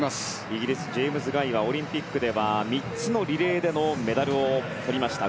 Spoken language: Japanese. イギリスのジェームズ・ガイはオリンピックでは３つのリレーでのメダルをとりました。